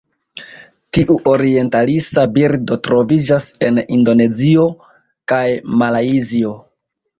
Tiu orientalisa birdo troviĝas en Indonezio kaj Malajzio.